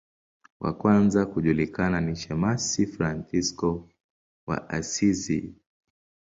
Wa kwanza kujulikana ni shemasi Fransisko wa Asizi.